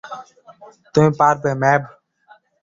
তুমি পারবে, ম্যাভ।